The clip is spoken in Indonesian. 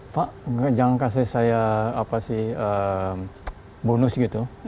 pak jangan kasih saya bonus gitu